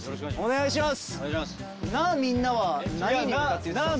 お願いします！